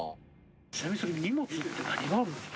ちなみにそれ荷物って何があるんですか？